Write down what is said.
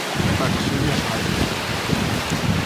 Tatsuya Ai